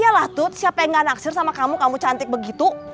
iya lah tut siapa yang gak naksir sama kamu kamu cantik begitu